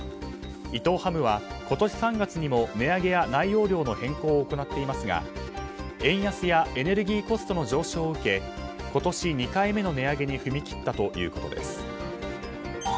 伊藤ハムは今年３月にも値上げや内容量の変更を行っていますが円安やエネルギーコストの上昇を受け今年２回目の値上げに踏み切ったということです。